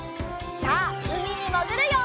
さあうみにもぐるよ！